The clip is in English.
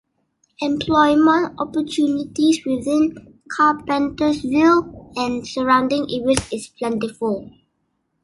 Employment opportunities within Carpentersville and surrounding areas is plentiful.